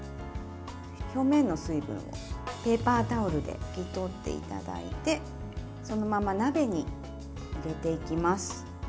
表面の水分をペーパータオルで拭き取っていただいてそのまま鍋に入れていきます。